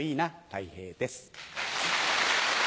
たい平です。